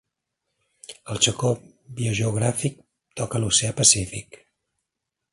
El Chocó biogeogràfic toca l'oceà Pacífic.